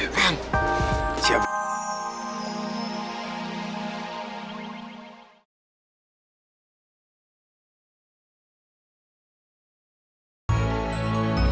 bang harus kuatan dekat